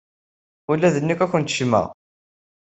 Ula d nekk ad kent-jjmeɣ.